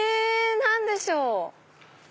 何でしょう？